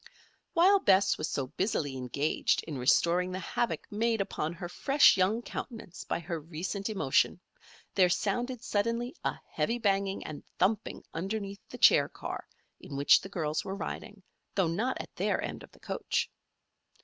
While Bess was so busily engaged in restoring the havoc made upon her fresh young countenance by her recent emotion, there sounded suddenly a heavy banging and thumping underneath the chair car in which the girls were riding, though not at their end of the coach.